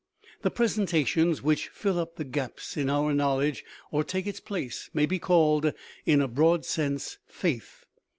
The presentations which fill up the gaps in our knowledge, or take its place, may be called, in a broad sense, "faith."